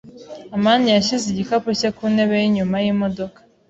amani yashyize igikapu cye ku ntebe yinyuma yimodoka.